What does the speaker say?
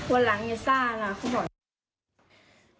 วันหลังอย่าซ่านะเขาบอก